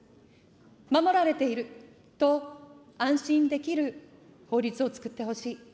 守られていると安心できる法律を作ってほしい。